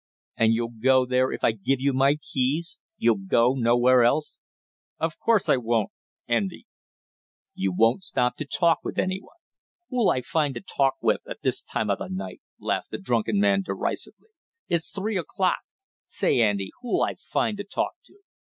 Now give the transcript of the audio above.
"And you'll go there if I give you my keys you'll go nowhere else?" "Of course I won't, Andy!" "You won't stop to talk with any one?" "Who'll I find to talk with at this time of the night?" laughed the drunken man derisively. "It's three o'clock! Say, Andy, who'll I find to talk to?"